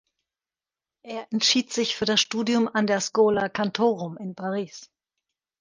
Er entschied sich für das Studium an der Schola Cantorum in Paris.